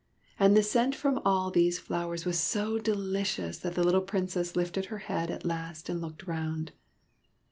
And the scent from all these flowers was so delicious that the little Princess lifted her head at last and looked round.